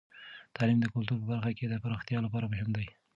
تعلیم د کلتور په برخه کې د پرمختیا لپاره مهم دی.